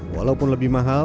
walaupun lebih mahal